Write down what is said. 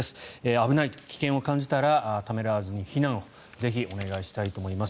危ないと危険を感じたらためらわずに避難をぜひ、お願いしたいと思います。